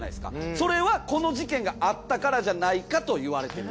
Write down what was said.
それはこの事件があったからじゃないかといわれてる。